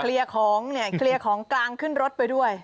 ของเนี่ยเคลียร์ของกลางขึ้นรถไปด้วย